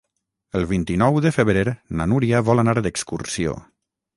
El vint-i-nou de febrer na Núria vol anar d'excursió.